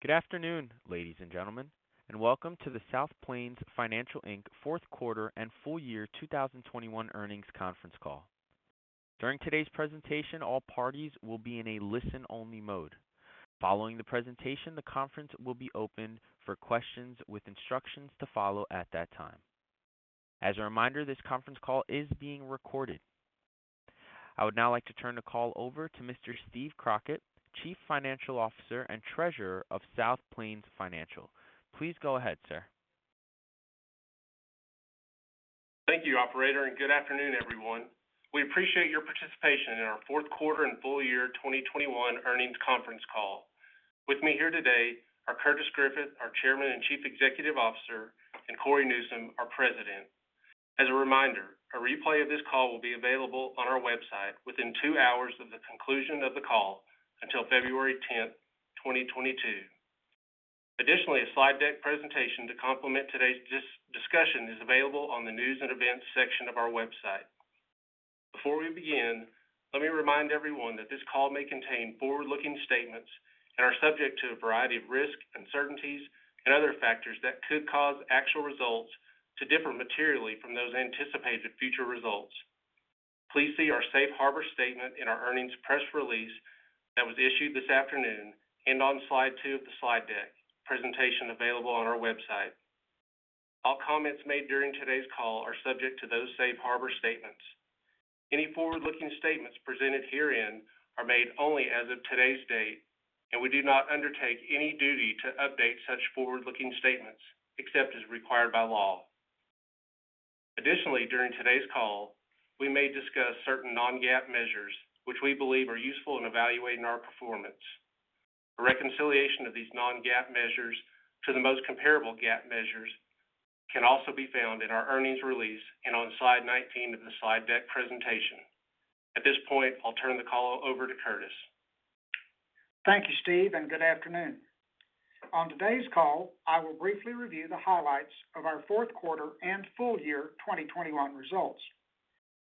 Good afternoon, ladies and gentlemen, and welcome to the South Plains Financial Inc, Q4 and full year 2021 earnings conference call. During today's presentation, all parties will be in a listen-only mode. Following the presentation, the conference will be open for questions with instructions to follow at that time. As a reminder, this conference call is being recorded. I would now like to turn the call over to Mr. Steve Crockett, Chief Financial Officer and Treasurer of South Plains Financial. Please go ahead, sir. Thank you, operator, and good afternoon, everyone. We appreciate your participation in our Q4 and full year 2021 earnings conference call. With me here today are Curtis Griffith, our Chairman and Chief Executive Officer, and Cory Newsom, our President. As a reminder, a replay of this call will be available on our website within 2 hours of the conclusion of the call until February 10, 2022. Additionally, a slide deck presentation to complement today's discussion is available on the News and Events section of our website. Before we begin, let me remind everyone that this call may contain forward-looking statements and are subject to a variety of risks, uncertainties, and other factors that could cause actual results to differ materially from those anticipated future results. Please see our safe harbor statement in our earnings press release that was issued this afternoon and on slide 2 of the slide deck presentation available on our website. All comments made during today's call are subject to those safe harbor statements. Any forward-looking statements presented herein are made only as of today's date, and we do not undertake any duty to update such forward-looking statements except as required by law. Additionally, during today's call, we may discuss certain non-GAAP measures which we believe are useful in evaluating our performance. A reconciliation of these non-GAAP measures to the most comparable GAAP measures can also be found in our earnings release and on slide 19 of the slide deck presentation. At this point, I'll turn the call over to Curtis. Thank you, Steve, and good afternoon. On today's call, I will briefly review the highlights of our Q4 and full year 2021 results.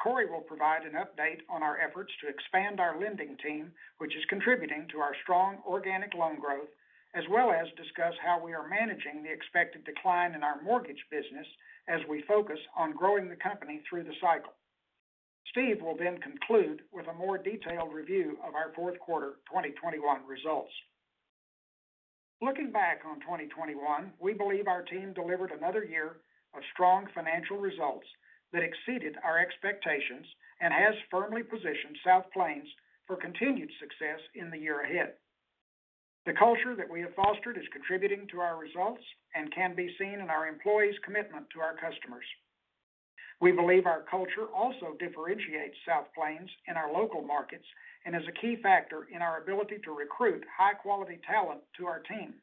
Cory will provide an update on our efforts to expand our lending team, which is contributing to our strong organic loan growth, as well as discuss how we are managing the expected decline in our mortgage business as we focus on growing the company through the cycle. Steve will then conclude with a more detailed review of our Q4 2021 results. Looking back on 2021, we believe our team delivered another year of strong financial results that exceeded our expectations and has firmly positioned South Plains for continued success in the year ahead. The culture that we have fostered is contributing to our results and can be seen in our employees' commitment to our customers. We believe our culture also differentiates South Plains in our local markets and is a key factor in our ability to recruit high-quality talent to our team.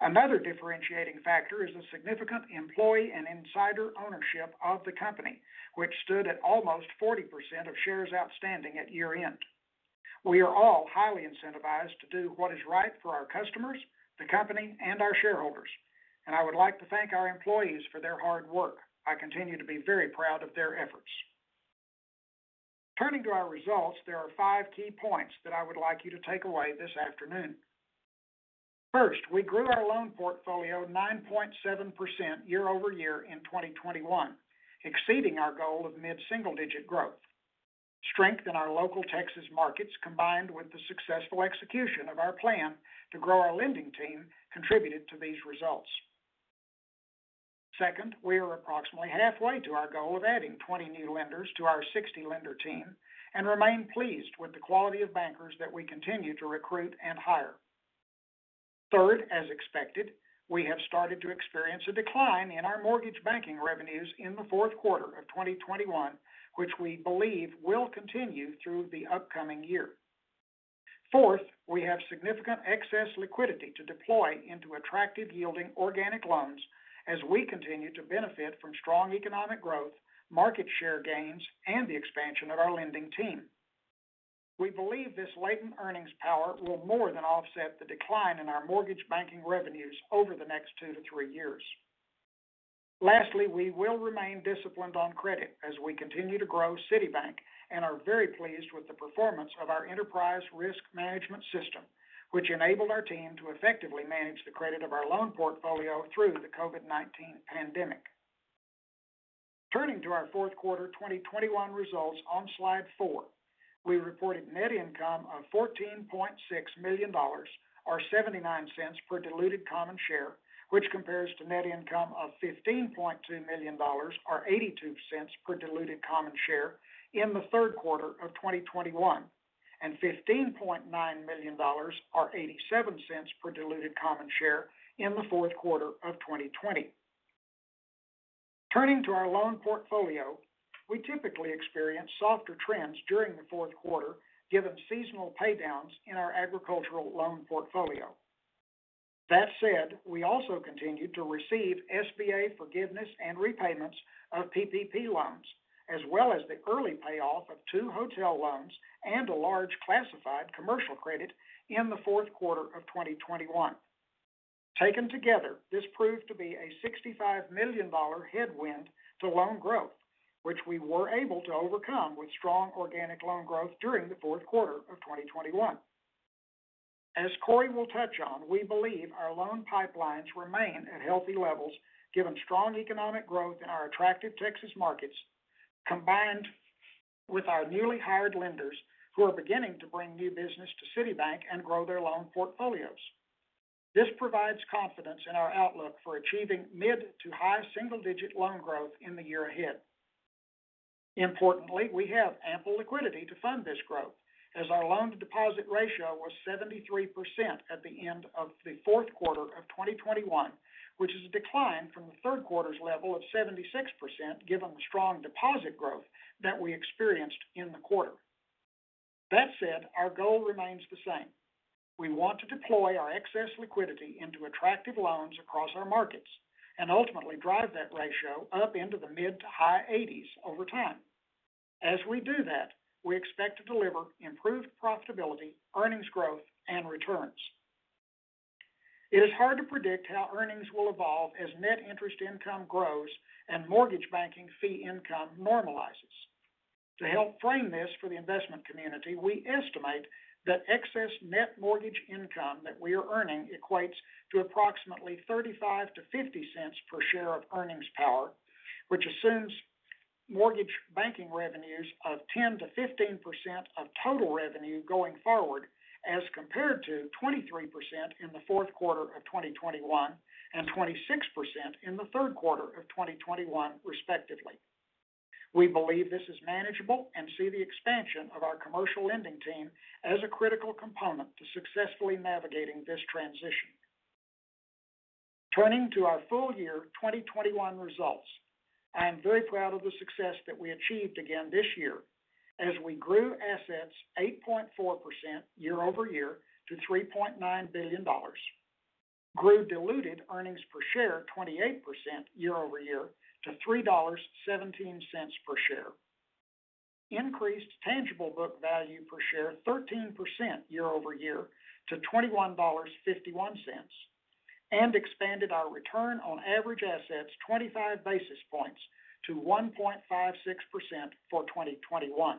Another differentiating factor is the significant employee and insider ownership of the company, which stood at almost 40% of shares outstanding at year-end. We are all highly incentivized to do what is right for our customers, the company, and our shareholders, and I would like to thank our employees for their hard work. I continue to be very proud of their efforts. Turning to our results, there are five key points that I would like you to take away this afternoon. First, we grew our loan portfolio 9.7% year-over-year in 2021, exceeding our goal of mid-single-digit growth. Strength in our local Texas markets, combined with the successful execution of our plan to grow our lending team, contributed to these results. Second, we are approximately halfway to our goal of adding 20 new lenders to our 60-lender team and remain pleased with the quality of bankers that we continue to recruit and hire. Third, as expected, we have started to experience a decline in our mortgage banking revenues in the Q4 of 2021, which we believe will continue through the upcoming year. Fourth, we have significant excess liquidity to deploy into attractive yielding organic loans as we continue to benefit from strong economic growth, market share gains, and the expansion of our lending team. We believe this latent earnings power will more than offset the decline in our mortgage banking revenues over the next 2-3 years. Lastly, we will remain disciplined on credit as we continue to grow City Bank and are very pleased with the performance of our enterprise risk management system, which enabled our team to effectively manage the credit of our loan portfolio through the COVID-19 pandemic. Turning to our Q4 2021 results on slide 4, we reported net income of $14.6 million or $0.79 per diluted common share, which compares to net income of $15.2 million or $0.82 per diluted common share in the Q3 of 2021, and $15.9 million or $0.87 per diluted common share in the Q4 of 2020. Turning to our loan portfolio, we typically experience softer trends during the Q4 given seasonal paydowns in our agricultural loan portfolio. That said, we also continued to receive SBA forgiveness and repayments of PPP loans, as well as the early payoff of two hotel loans and a large classified commercial credit in the Q4 of 2021. Taken together, this proved to be a $65 million headwind to loan growth, which we were able to overcome with strong organic loan growth during the Q4 of 2021. As Cory will touch on, we believe our loan pipelines remain at healthy levels given strong economic growth in our attractive Texas markets, combined with our newly hired lenders who are beginning to bring new business to City Bank and grow their loan portfolios. This provides confidence in our outlook for achieving mid- to high single-digit loan growth in the year ahead. Importantly, we have ample liquidity to fund this growth as our loan to deposit ratio was 73% at the end of the Q4 of 2021, which is a decline from the Q3's level of 76% given the strong deposit growth that we experienced in the quarter. That said, our goal remains the same. We want to deploy our excess liquidity into attractive loans across our markets and ultimately drive that ratio up into the mid- to high 80s over time. As we do that, we expect to deliver improved profitability, earnings growth, and returns. It is hard to predict how earnings will evolve as net interest income grows and mortgage banking fee income normalizes. To help frame this for the investment community, we estimate that excess net mortgage income that we are earning equates to approximately $0.35-$0.50 per share of earnings power, which assumes mortgage banking revenues of 10%-15% of total revenue going forward as compared to 23% in the Q4 of 2021 and 26% in the Q3 of 2021, respectively. We believe this is manageable and see the expansion of our commercial lending team as a critical component to successfully navigating this transition. Turning to our full year 2021 results, I am very proud of the success that we achieved again this year as we grew assets 8.4% year-over-year to $3.9 billion, grew diluted earnings per share 28% year-over-year to $3.17 per share, increased tangible book value per share 13% year-over-year to $21.51, and expanded our return on average assets 25 basis points to 1.56% for 2021.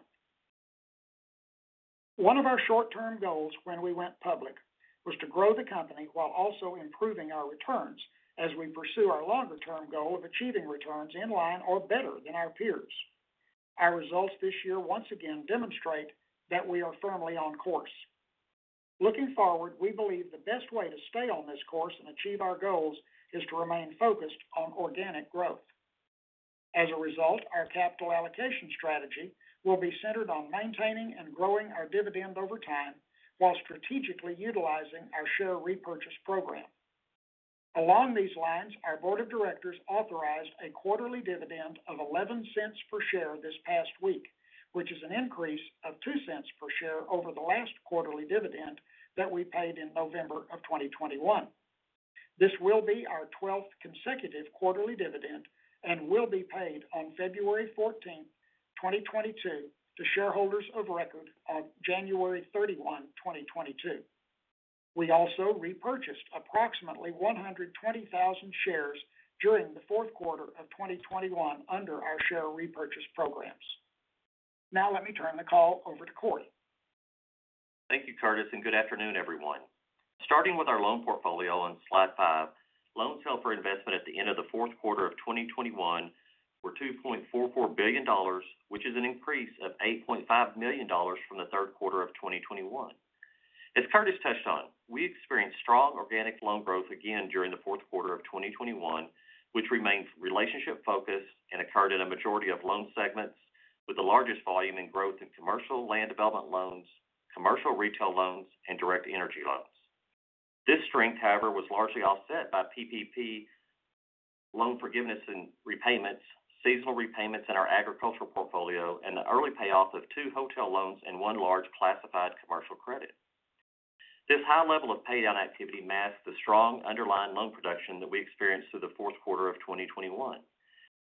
One of our short-term goals when we went public was to grow the company while also improving our returns as we pursue our longer term goal of achieving returns in line or better than our peers. Our results this year once again demonstrate that we are firmly on course. Looking forward, we believe the best way to stay on this course and achieve our goals is to remain focused on organic growth. As a result, our capital allocation strategy will be centered on maintaining and growing our dividend over time while strategically utilizing our share repurchase program. Along these lines, our board of directors authorized a quarterly dividend of $0.11 per share this past week, which is an increase of $0.02 per share over the last quarterly dividend that we paid in November 2021. This will be our 12th consecutive quarterly dividend and will be paid on February 14, 2022 to shareholders of record on January 31, 2022. We also repurchased approximately 120,000 shares during the Q4 of 2021 under our share repurchase programs. Now let me turn the call over to Cory. Thank you, Curtis, and good afternoon, everyone. Starting with our loan portfolio on slide 5, loans held for investment at the end of the Q4 of 2021 were $2.44 billion, which is an increase of $8.5 million from the Q3 of 2021. As Curtis touched on, we experienced strong organic loan growth again during the Q4 of 2021, which remains relationship focused and occurred in a majority of loan segments with the largest volume in growth in commercial land development loans, commercial retail loans, and direct energy loans. This strength, however, was largely offset by PPP loan forgiveness and repayments, seasonal repayments in our agricultural portfolio, and the early payoff of two hotel loans and one large classified commercial credit. This high level of payout activity masked the strong underlying loan production that we experienced through the Q4 of 2021.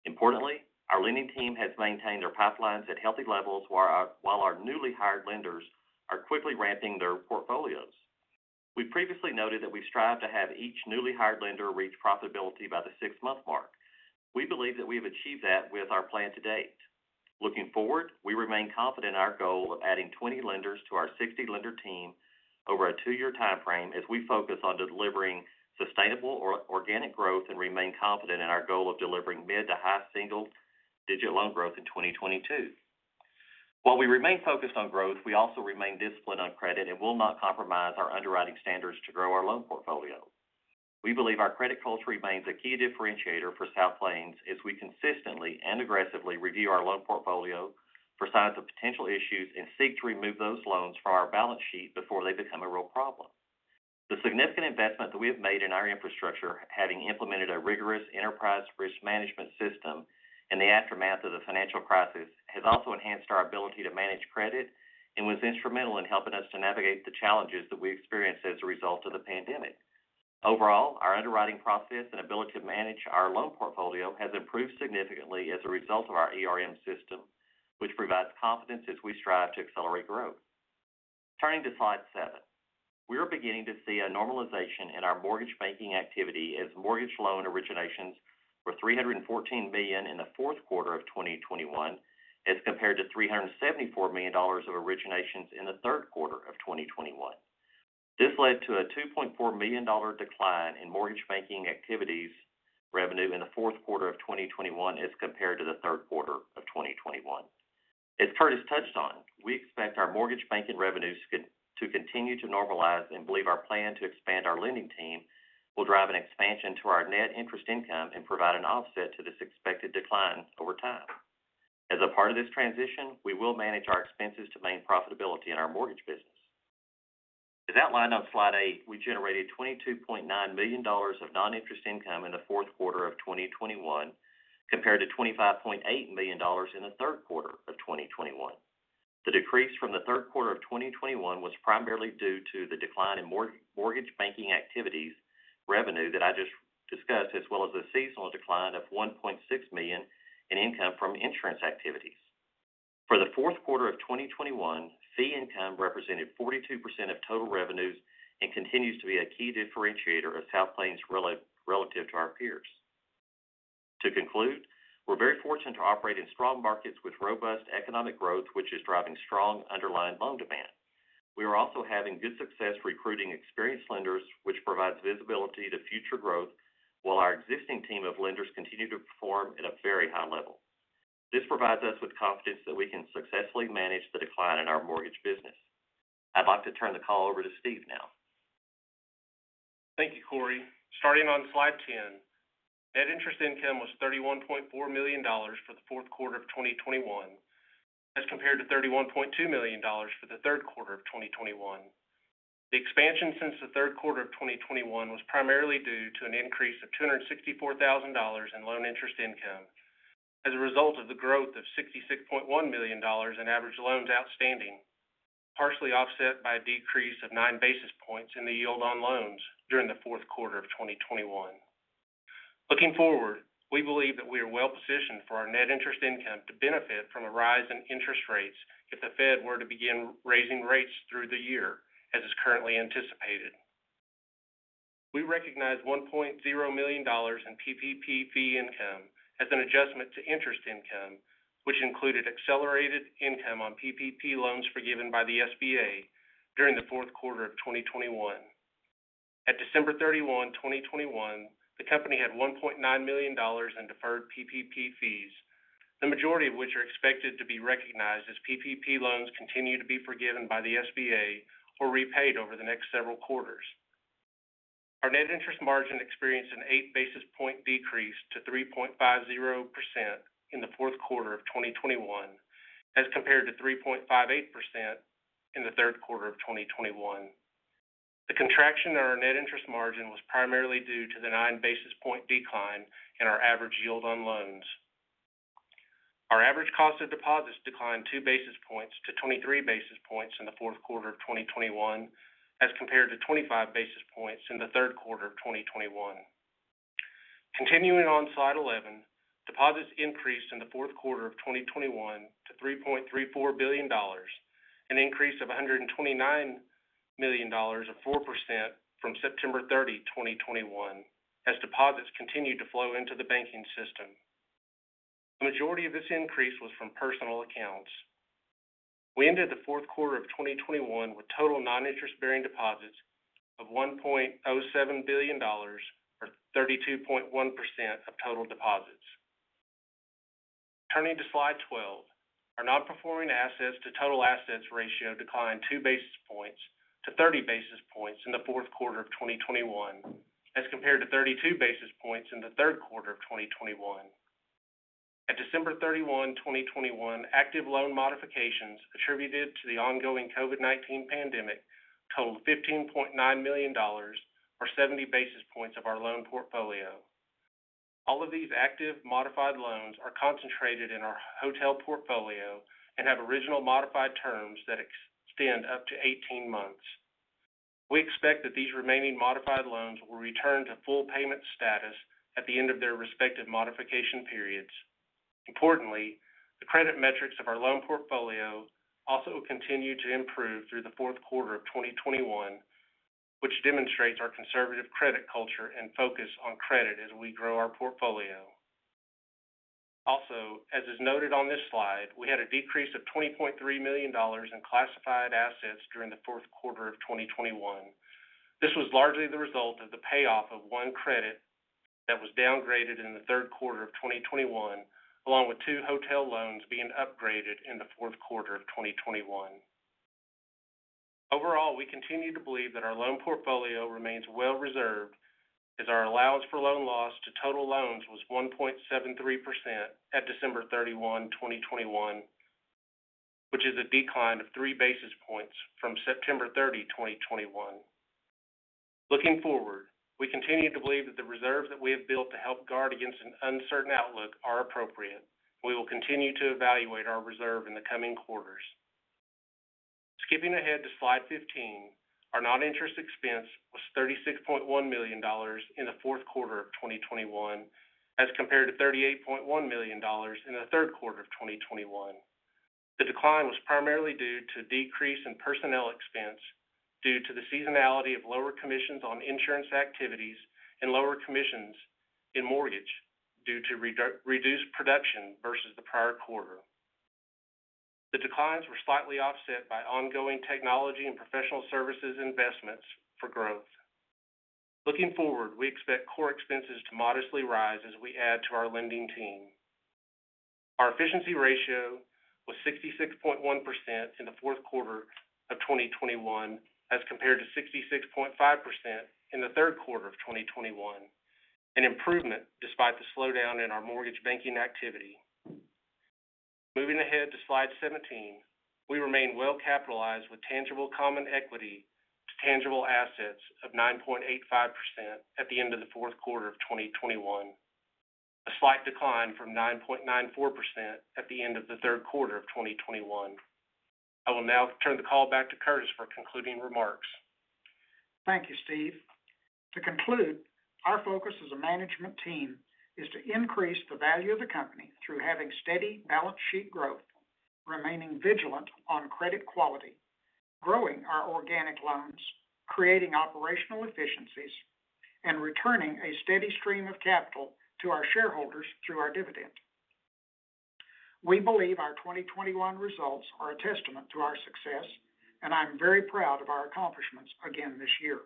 Importantly, our lending team has maintained their pipelines at healthy levels while our newly hired lenders are quickly ramping their portfolios. We previously noted that we strive to have each newly hired lender reach profitability by the six-month mark. We believe that we have achieved that with our plan to date. Looking forward, we remain confident in our goal of adding 20 lenders to our 60-lender team over a 2-year time frame as we focus on delivering sustainable organic growth and remain confident in our goal of delivering mid- to high-single-digit% loan growth in 2022. While we remain focused on growth, we also remain disciplined on credit and will not compromise our underwriting standards to grow our loan portfolio. We believe our credit culture remains a key differentiator for South Plains as we consistently and aggressively review our loan portfolio for signs of potential issues and seek to remove those loans from our balance sheet before they become a real problem. The significant investment that we have made in our infrastructure, having implemented a rigorous enterprise risk management system in the aftermath of the financial crisis, has also enhanced our ability to manage credit and was instrumental in helping us to navigate the challenges that we experienced as a result of the pandemic. Overall, our underwriting process and ability to manage our loan portfolio has improved significantly as a result of our ERM system, which provides confidence as we strive to accelerate growth. Turning to slide seven. We are beginning to see a normalization in our mortgage banking activity as mortgage loan originations were $314 million in the Q4 of 2021 as compared to $374 million of originations in the Q3 of 2021. This led to a $2.4 million decline in mortgage banking activities revenue in the Q4 of 2021 as compared to the Q3 of 2021. As Curtis touched on, we expect our mortgage banking revenues to continue to normalize and believe our plan to expand our lending team will drive an expansion to our net interest income and provide an offset to this expected decline over time. As a part of this transition, we will manage our expenses to maintain profitability in our mortgage business. As outlined on slide eight, we generated $22.9 million of non-interest income in the Q4 of 2021 compared to $25.8 million in the Q3 of 2021. The decrease from the Q3 of 2021 was primarily due to the decline in mortgage banking activities revenue that I just discussed, as well as a seasonal decline of $1.6 million in income from insurance activities. For the Q4 of 2021, fee income represented 42% of total revenues and continues to be a key differentiator of South Plains relative to our peers. To conclude, we're very fortunate to operate in strong markets with robust economic growth, which is driving strong underlying loan demand. We are also having good success recruiting experienced lenders, which provides visibility to future growth while our existing team of lenders continue to perform at a very high level. This provides us with confidence that we can successfully manage the decline in our mortgage business. I'd like to turn the call over to Steve now. Thank you, Cory. Starting on slide 10, net interest income was $31.4 million for the Q4 of 2021 as compared to $31.2 million for the Q3 of 2021. The expansion since the Q3 of 2021 was primarily due to an increase of $264,000 in loan interest income as a result of the growth of $66.1 million in average loans outstanding, partially offset by a decrease of nine basis points in the yield on loans during the Q4 of 2021. Looking forward, we believe that we are well positioned for our net interest income to benefit from a rise in interest rates if the Fed were to begin raising rates through the year, as is currently anticipated. We recognize $1.0 million in PPP fee income as an adjustment to interest income, which included accelerated income on PPP loans forgiven by the SBA during the Q4 of 2021. At December 31, 2021, the company had $1.9 million in deferred PPP fees, the majority of which are expected to be recognized as PPP loans continue to be forgiven by the SBA or repaid over the next several quarters. Our net interest margin experienced an 8 basis point decrease to 3.50% in the Q4 of 2021 as compared to 3.58% in the Q3 of 2021. The contraction in our net interest margin was primarily due to the 9 basis point decline in our average yield on loans. Our average cost of deposits declined 2 basis points to 23 basis points in the Q4 of 2021 as compared to 25 basis points in the Q3 of 2021. Continuing on slide 11, deposits increased in the Q4 of 2021 to $3.34 billion, an increase of $129 million or 4% from September 30, 2021, as deposits continued to flow into the banking system. The majority of this increase was from personal accounts. We ended the Q4 of 2021 with total non-interest bearing deposits of $1.07 billion or 32.1% of total deposits. Turning to slide 12, our non-performing assets to total assets ratio declined 2 basis points to 30 basis points in the Q4 of 2021 as compared to 32 basis points in the Q3 of 2021. At December 31, 2021, active loan modifications attributed to the ongoing COVID-19 pandemic totaled $15.9 million or 70 basis points of our loan portfolio. All of these active modified loans are concentrated in our hotel portfolio and have original modified terms that extend up to 18 months. We expect that these remaining modified loans will return to full payment status at the end of their respective modification periods. Importantly, the credit metrics of our loan portfolio also continued to improve through the Q4 of 2021, which demonstrates our conservative credit culture and focus on credit as we grow our portfolio. Also, as is noted on this slide, we had a decrease of $20.3 million in classified assets during the Q4 of 2021. This was largely the result of the payoff of one credit that was downgraded in the Q3 of 2021, along with two hotel loans being upgraded in the Q4 of 2021. Overall, we continue to believe that our loan portfolio remains well reserved as our allowance for loan loss to total loans was 1.73% at December 31, 2021, which is a decline of three basis points from September 30, 2021. Looking forward, we continue to believe that the reserves that we have built to help guard against an uncertain outlook are appropriate. We will continue to evaluate our reserve in the coming quarters. Skipping ahead to slide 15. Our non-interest expense was $36.1 million in the Q4 of 2021 as compared to $38.1 million in the Q3 of 2021. The decline was primarily due to decrease in personnel expense due to the seasonality of lower commissions on insurance activities and lower commissions in mortgage due to reduced production versus the prior quarter. The declines were slightly offset by ongoing technology and professional services investments for growth. Looking forward, we expect core expenses to modestly rise as we add to our lending team. Our efficiency ratio was 66.1% in the Q4 of 2021 as compared to 66.5% in the Q3 of 2021, an improvement despite the slowdown in our mortgage banking activity. Moving ahead to slide 17. We remain well capitalized with tangible common equity to tangible assets of 9.85% at the end of the Q4 of 2021, a slight decline from 9.94% at the end of the Q3 of 2021. I will now turn the call back to Curtis for concluding remarks. Thank you, Steve. To conclude, our focus as a management team is to increase the value of the company through having steady balance sheet growth, remaining vigilant on credit quality, growing our organic loans, creating operational efficiencies, and returning a steady stream of capital to our shareholders through our dividend. We believe our 2021 results are a testament to our success, and I'm very proud of our accomplishments again this year,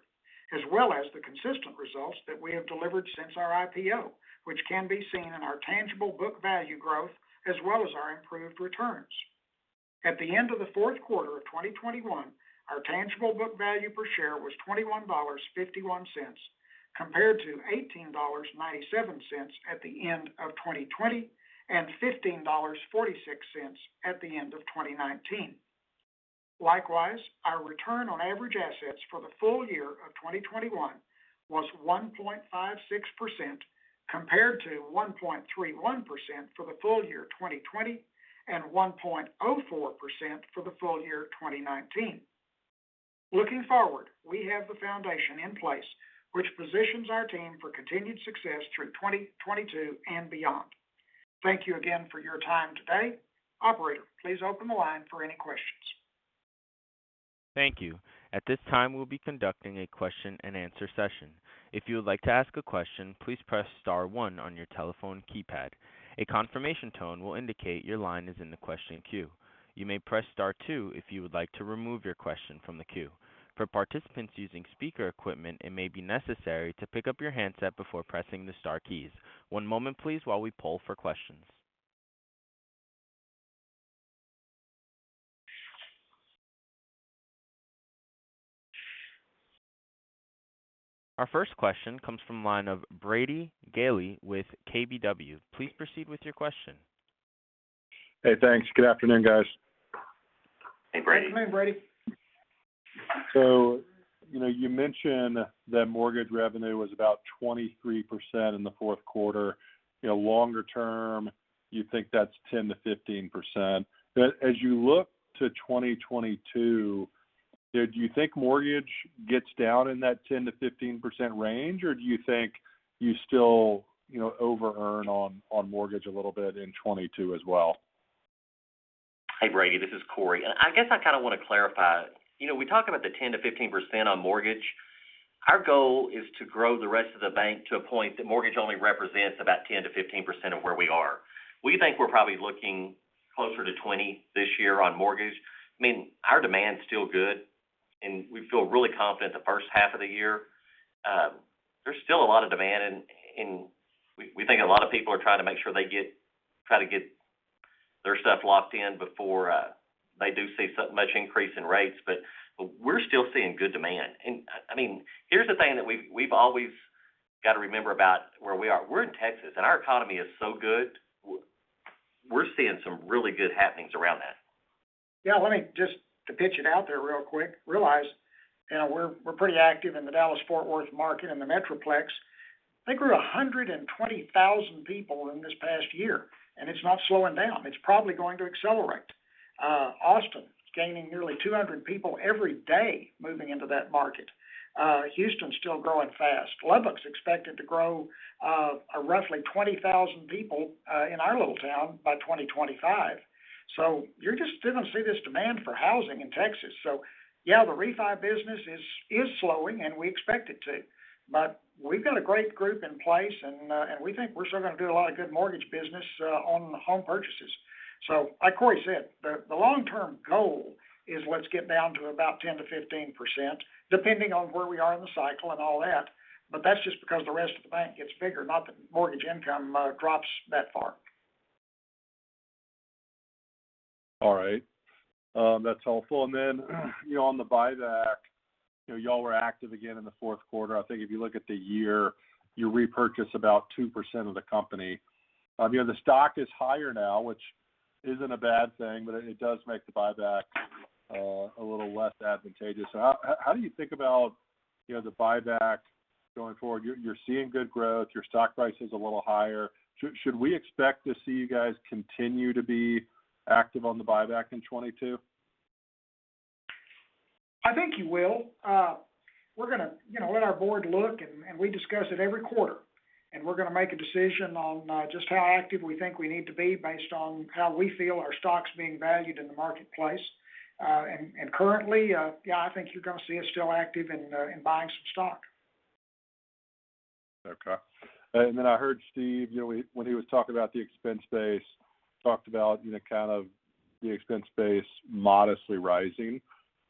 as well as the consistent results that we have delivered since our IPO, which can be seen in our tangible book value growth as well as our improved returns. At the end of the Q4 of 2021, our tangible book value per share was $21.51, compared to $18.97 at the end of 2020 and $15.46 at the end of 2019. Likewise, our return on average assets for the full year of 2021 was 1.56% compared to 1.31% for the full year 2020 and 1.04% for the full year of 2019. Looking forward, we have the foundation in place which positions our team for continued success through 2022 and beyond. Thank you again for your time today. Operator, please open the line for any questions. Thank you. At this time, we'll be conducting a question and answer session. If you would like to ask a question, please press star one on your telephone keypad. A confirmation tone will indicate your line is in the question queue. You may press star two if you would like to remove your question from the queue. For participants using speaker equipment, it may be necessary to pick up your handset before pressing the star keys. One moment, please, while we poll for questions. Our first question comes from the line of Brady Gailey with KBW. Please proceed with your question. Hey, thanks. Good afternoon, guys. Hey, Brady. Good afternoon, Brady. You know, you mentioned that mortgage revenue was about 23% in the Q4. You know, longer term, you think that's 10%-15%. As you look to 2022, do you think mortgage gets down in that 10%-15% range, or do you think you still, you know, over earn on mortgage a little bit in 2022 as well? Hey, Brady, this is Cory. I guess I kind of want to clarify. You know, we talk about the 10%-15% on mortgage. Our goal is to grow the rest of the bank to a point that mortgage only represents about 10%-15% of where we are. We think we're probably looking closer to 20% this year on mortgage. I mean, our demand's still good, and we feel really confident the H1 of the year. There's still a lot of demand and we think a lot of people are trying to make sure they get their stuff locked in before they do see much increase in rates. But we're still seeing good demand. I mean, here's the thing that we've always got to remember about where we are. We're in Texas, and our economy is so good. We're seeing some really good happenings around that. Yeah, let me just put it out there real quick. Realize, you know, we're pretty active in the Dallas-Fort Worth market and the Metroplex. They grew 120,000 people in this past year, and it's not slowing down. It's probably going to accelerate. Austin is gaining nearly 200 people every day moving into that market. Houston is still growing fast. Lubbock's expected to grow roughly 20,000 people in our little town by 2025. You're just gonna see this demand for housing in Texas. Yeah, the refi business is slowing, and we expect it to. But we've got a great group in place, and we think we're still going to do a lot of good mortgage business on home purchases. Like Cory said, the long-term goal is let's get down to about 10%-15%, depending on where we are in the cycle and all that. That's just because the rest of the bank gets bigger, not that mortgage income drops that far. All right. That's helpful. You know, on the buyback, you know, y'all were active again in the Q4. I think if you look at the year, you repurchased about 2% of the company. You know, the stock is higher now, which isn't a bad thing, but it does make the buyback a little less advantageous. How do you think about you know, the buyback going forward, you're seeing good growth. Your stock price is a little higher. Should we expect to see you guys continue to be active on the buyback in 2022? I think you will. We're gonna let our board look and we discuss it every quarter, and we're gonna make a decision on just how active we think we need to be based on how we feel our stock's being valued in the marketplace. Currently, yeah, I think you're gonna see us still active in buying some stock. Okay. I heard Steve, you know, when he was talking about the expense base, talked about, you know, kind of the expense base modestly rising.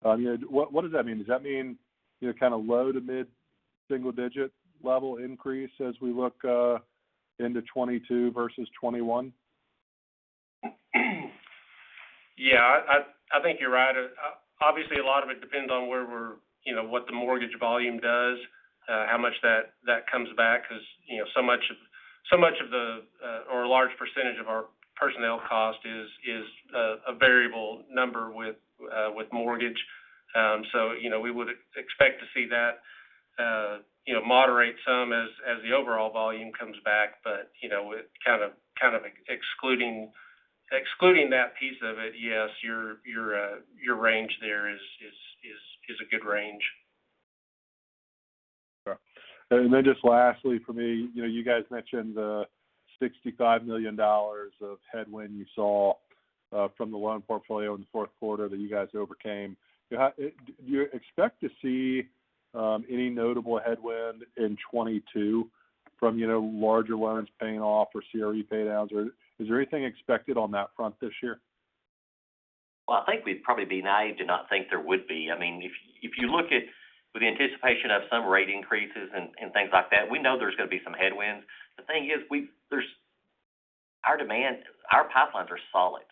You know, what does that mean? Does that mean, you know, kind of low to mid-single digit level increase as we look into 2022 versus 2021? Yeah, I think you're right. Obviously, a lot of it depends on you know, what the mortgage volume does, how much that comes back because, you know, so much of the or a large percentage of our personnel cost is a variable number with mortgage. you know, we would expect to see that, you know, moderate some as the overall volume comes back. you know, kind of excluding that piece of it, yes, your range there is a good range. Sure. Then just lastly for me, you know, you guys mentioned the $65 million of headwind you saw from the loan portfolio in the Q4 that you guys overcame. Do you expect to see any notable headwind in 2022 from, you know, larger loans paying off or CRE paydowns? Or is there anything expected on that front this year? Well, I think we'd probably be naive to not think there would be. I mean, if you look at with the anticipation of some rate increases and things like that, we know there's going to be some headwinds. The thing is, there's our demand, our pipelines are solid,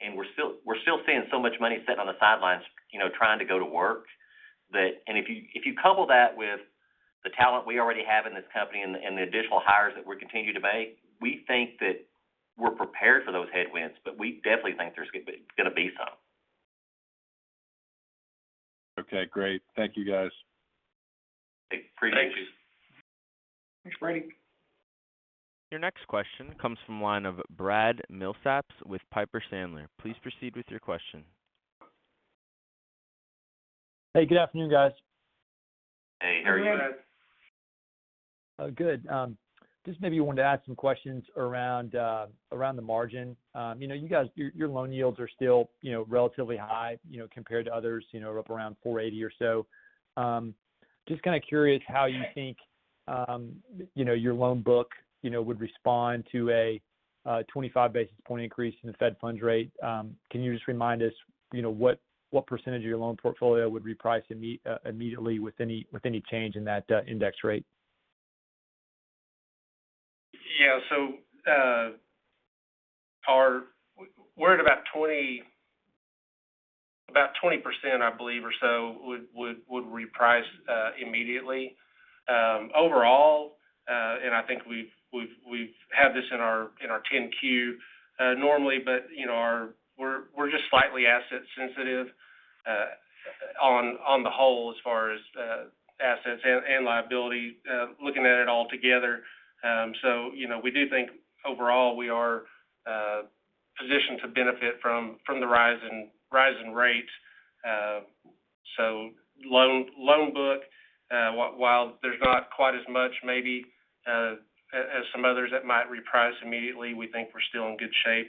and we're still seeing so much money sitting on the sidelines, you know, trying to go to work. If you couple that with the talent we already have in this company and the additional hires that we're continuing to make, we think that we're prepared for those headwinds, but we definitely think there's gonna be some. Okay, great. Thank you, guys. Appreciate you. Thanks. Thanks, Brady. Your next question comes from the line of Brad Milsaps with Piper Sandler. Please proceed with your question. Hey, good afternoon, guys. Hey, how are you? Good afternoon, Brad. Oh, good. I just maybe wanted to ask some questions around the margin. You know, you guys, your loan yields are still, you know, relatively high, you know, compared to others, you know, up around 4.80% or so. Just kind of curious how you think, you know, your loan book, you know, would respond to a 25 basis point increase in the federal funds rate. Can you just remind us, you know, what percentage of your loan portfolio would reprice immediately with any change in that index rate? We're at about 20%, I believe, or so would reprice immediately. Overall, I think we've had this in our 10-Q normally, but you know, we're just slightly asset sensitive on the whole as far as assets and liability looking at it all together. You know, we do think overall we are positioned to benefit from the rise in rates. Loan book while there's not quite as much maybe as some others that might reprice immediately, we think we're still in good shape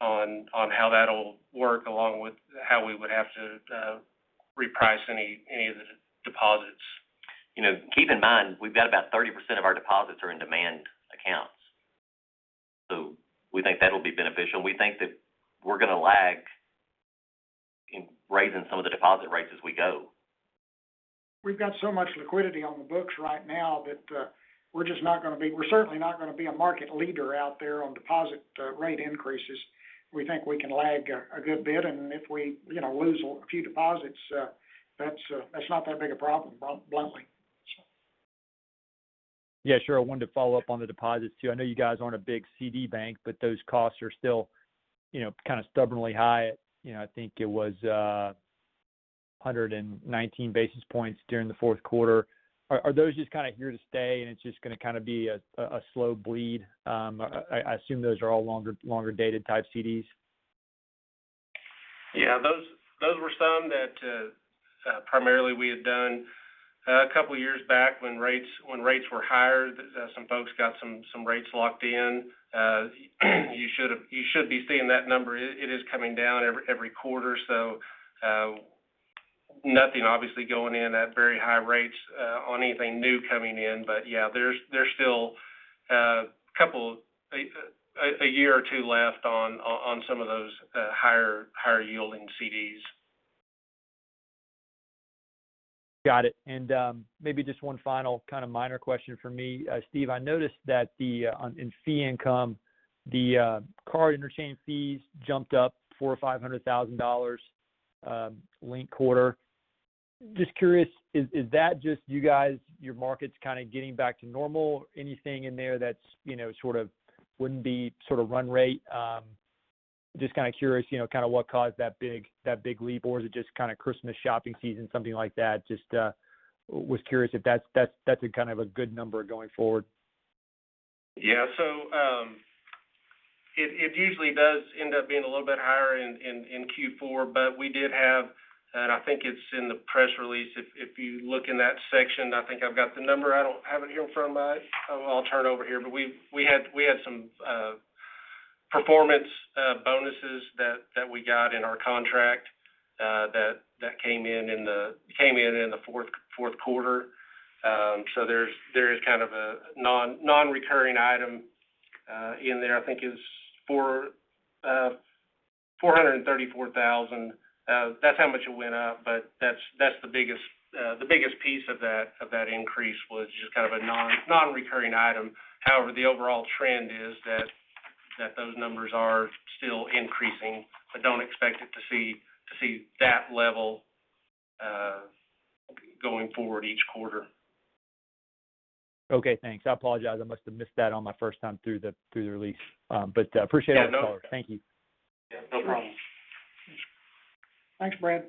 on how that'll work, along with how we would have to reprice any of the deposits. You know, keep in mind, we've got about 30% of our deposits are in demand accounts. We think that'll be beneficial, and we think that we're gonna lag in raising some of the deposit rates as we go. We've got so much liquidity on the books right now that we're certainly not gonna be a market leader out there on deposit rate increases. We think we can lag a good bit, and if we you know lose a few deposits, that's not that big a problem bluntly. Yeah, sure. I wanted to follow up on the deposits too. I know you guys aren't a big CD bank, but those costs are still, you know, kind of stubbornly high at, you know, I think it was 119 basis points during the Q4. Are those just kind of here to stay and it's just gonna kind of be a slow bleed? I assume those are all longer dated type CDs. Yeah, those were some that primarily we had done a couple years back when rates were higher. Some folks got some rates locked in. You should be seeing that number. It is coming down every quarter. Nothing obviously going in at very high rates on anything new coming in. Yeah, there's still a couple, a year or two left on some of those higher yielding CDs. Got it. Maybe just one final kind of minor question from me. Steve, I noticed that in fee income, the card interchange fees jumped up $400,000-$500,000 linked quarter. Just curious, is that just you guys, your market's kind of getting back to normal? Anything in there that's, you know, sort of wouldn't be sort of run rate? Just kind of curious, you know, kind of what caused that big leap, or is it just kind of Christmas shopping season, something like that? Just was curious if that's a kind of a good number going forward. Yeah. It usually does end up being a little bit higher in Q4, but we did have, and I think it's in the press release if you look in that section. I think I've got the number. I don't have it here in front of me. I'll turn it over here. We had some performance bonuses that we got in our contract that came in in the Q4. There is kind of a nonrecurring item in there. I think it's $434,000. That's how much it went up. That's the biggest piece of that increase was just kind of a nonrecurring item. However, the overall trend is that those numbers are still increasing. I don't expect it to see that level going forward each quarter. Okay, thanks. I apologize. I must have missed that on my first time through the release. Appreciate- Yeah, no. Thank you. Yeah, no problem. Thanks, Brad.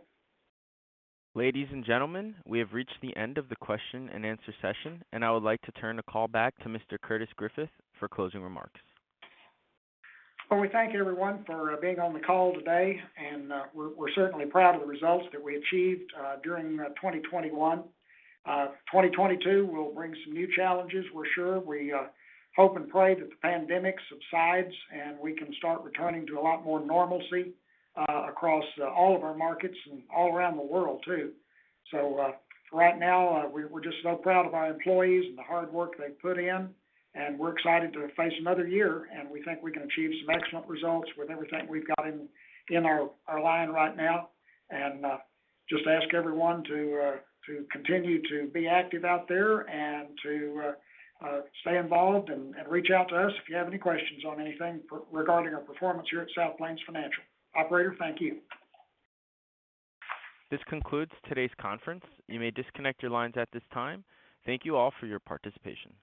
Ladies and gentlemen, we have reached the end of the question-and-answer session, and I would like to turn the call back to Mr. Curtis Griffith for closing remarks. Well, we thank everyone for being on the call today, and we're certainly proud of the results that we achieved during 2021. 2022 will bring some new challenges, we're sure. We hope and pray that the pandemic subsides, and we can start returning to a lot more normalcy across all of our markets and all around the world too. For right now, we're just so proud of our employees and the hard work they put in, and we're excited to face another year, and we think we can achieve some excellent results with everything we've got in our line right now. Just ask everyone to continue to be active out there and to stay involved and reach out to us if you have any questions on anything regarding our performance here at South Plains Financial. Operator, thank you. This concludes today's conference. You may disconnect your lines at this time. Thank you all for your participation.